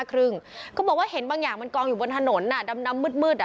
เขาบอกว่าเห็นบางอย่างมันกองอยู่บนถนนอ่ะดำน้ำมืดอ่ะ